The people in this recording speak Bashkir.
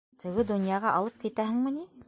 Теге донъяға алып китәһеңме ни?